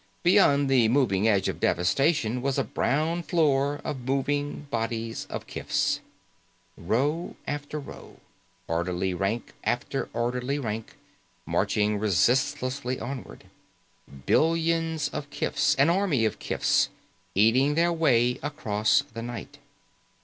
Beyond the moving edge of devastation was a brown floor of the moving bodies of kifs. Row after row, orderly rank after orderly rank, marching resistlessly onward. Billions of kifs, an army of kifs, eating their way across the night.